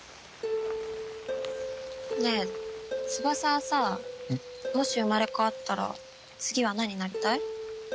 ねえ翼はさもし生まれ変わったら次は何になりたい？